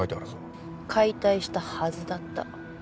解体したはずだった。